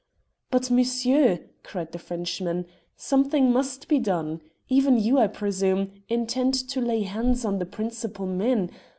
"But, monsieur," cried the Frenchman, "something must be done. Even you, I presume, intend to lay hands on the principal men.